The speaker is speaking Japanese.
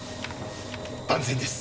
万全です。